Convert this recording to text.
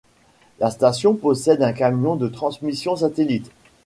La station possède un camion de transmission satellite.